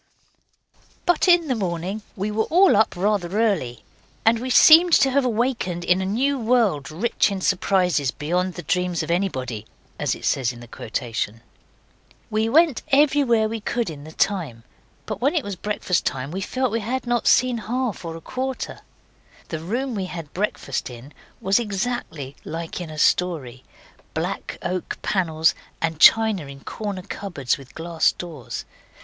But in the morning we were all up rather early, and we seemed to have awakened in a new world rich in surprises beyond the dreams of anybody, as it says in the quotation. We went everywhere we could in the time, but when it was breakfast time we felt we had not seen half or a quarter. The room we had breakfast in was exactly like in a story black oak panels and china in corner cupboards with glass doors.